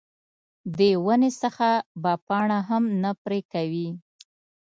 د ونې څخه به پاڼه هم نه پرې کوې.